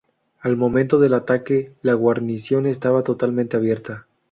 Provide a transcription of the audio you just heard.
Al momento del ataque la guarnición estaba totalmente abierta.